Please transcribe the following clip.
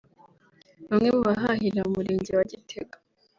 Bamwe mu bahahira mu Murenge wa Gitega